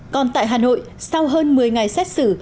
còn tại hà nội sau hơn một mươi ngày xét xử